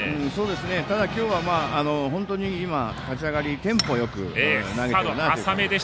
ただ今日は、本当に今立ち上がりテンポよく投げてるなという印象です。